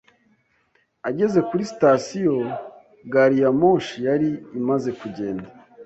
Ageze kuri sitasiyo, gari ya moshi yari imaze kugenda.